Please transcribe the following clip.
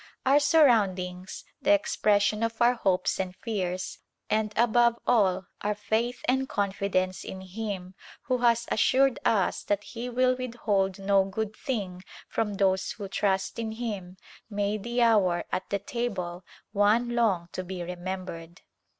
Our surround ings, the expression of our hopes and fears, and above all, our faith and confidence in Him who has assured us that He will withhold no good thing from those who trust in Him made the hour at table one long to be remembered.